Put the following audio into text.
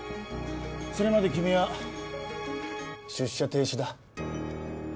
それまで君は出社停止だ。